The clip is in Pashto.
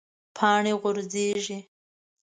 پاڼې غورځیږي